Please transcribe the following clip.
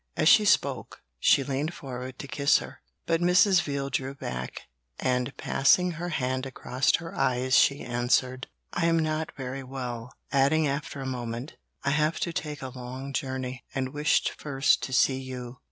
As she spoke, she leaned forward to kiss her, but Mrs. Veal drew back, and passing her hand across her eyes, she answered: 'I am not very well;' adding after a moment, 'I have to take a long journey, and wished first to see you.'